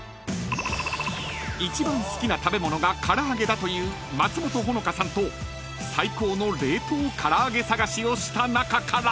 ［一番好きな食べ物がから揚げだという松本穂香さんと最高の冷凍から揚げ探しをした中から］